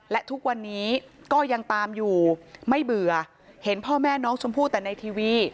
และทุกวันนี้ก็ยังตามอยู่ไม่เบื่อเห็นพ่อแม่น้องชมพู่แต่ในทีวี